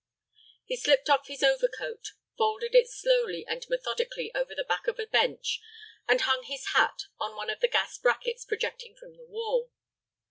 He slipped off his overcoat, folded it slowly and methodically over the back of a bench, and hung his hat on one of the gas brackets projecting from the wall.